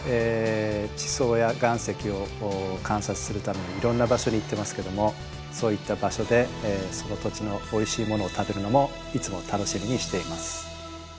地層や岩石を観察するためにいろんな場所に行ってますけどもそういった場所でその土地のおいしいものを食べるのもいつも楽しみにしています。